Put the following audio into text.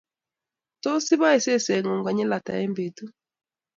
Tos ipoe seseng'ung' konyil ata eng' petut?